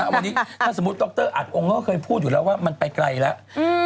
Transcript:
วันนี้ถ้าสมมุติดรอัดองค์ก็เคยพูดอยู่แล้วว่ามันไปไกลแล้ว